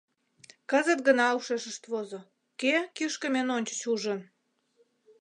Кызыт гына ушешышт возо: кӧ кишкым эн ончыч ужын?